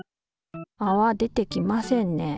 あわ出てきませんね。